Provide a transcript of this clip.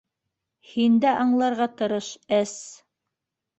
Һин дә аңларға тырыш, әсс..